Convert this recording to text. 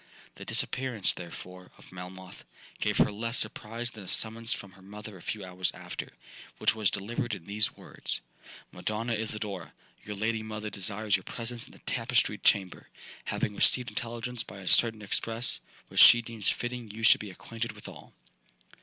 The disappearance, therefore, of Melmoth, gave her less surprise than a summons from her mother a few hours after, which was delivered in these words: 'Madonna Isidora, your lady mother desires your presence in the tapestried chamber—having received intelligence by a certain express, which she deems fitting you should be acquainted withal.'